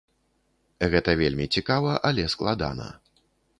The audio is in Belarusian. Гэта вельмі цікава, але складана.